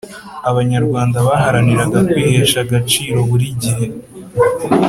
abanyarwanda baharaniraga kwihesha agaciro buri gihe